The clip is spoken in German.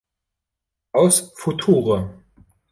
Aus future!